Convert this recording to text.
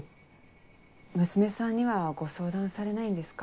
娘さんにはご相談されないんですか？